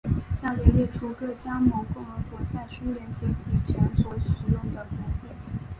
下表列出各加盟共和国在苏联解体前所使用的国徽。